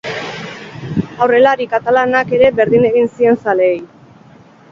Aurrelari katalanak ere berdin egin zien zaleei.